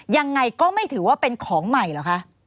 ยังไงก็ไม่ถือว่าเป็นของใหม่เหรอคะ